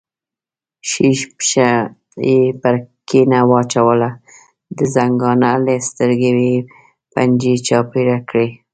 ښي پښه یې پر کیڼه واچوله، د زنګانه له سترګې یې پنجې چاپېره کړې.